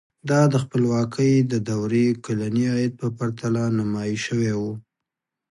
دا د خپلواکۍ د دورې کلني عاید په پرتله نیمايي شوی و.